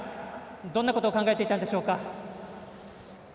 どんなことを考えていたんでしょうか。